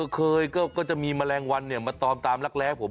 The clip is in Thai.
เคยก็จะมีแมลงวันมาตอมตามรักแร้ผม